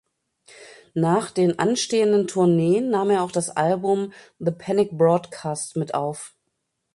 Nach den anstehenden Tourneen nahm er auch das Album "The Panic Broadcast" mit auf.